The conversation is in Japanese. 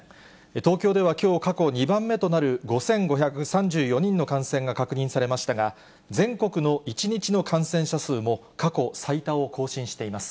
東京ではきょう、過去２番目となる５５３４人の感染が確認されましたが、全国の１日の感染者数も過去最多を更新しています。